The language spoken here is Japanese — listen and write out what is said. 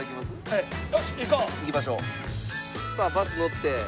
はいバス乗って。